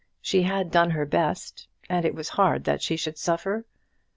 she had done her best, and it was hard that she should suffer.